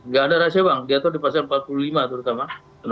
enggak ada rahasia bank dia tuh di pasal empat puluh lima terutama